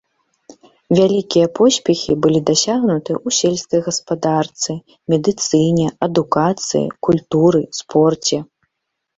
Вялікія поспехі былі дасягнуты ў сельскай гаспадарцы, медыцыне, адукацыі, культуры, спорце.